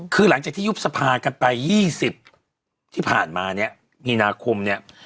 คือหลังจากที่ยุบสภากันไป๒๐ที่ผ่านมาเนี่ยมีนาคมเนี่ย